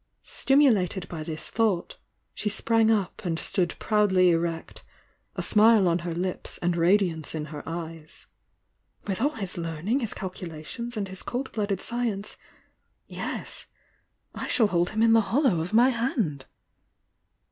Stimulated by this thought, she sprang up and stood proudly erect, a smile on her lips and radiance in her eyes. "With all his learning, his calculations and his cold blooded science, yes— I shall hold him in the hollow of my hand!"